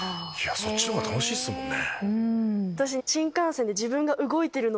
そっちの方が楽しいっすもんね。